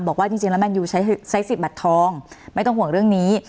บอกว่าจริงแล้วแมนยูใช้สิทธิบัตรทองไม่ต้องห่วงเรื่องนี้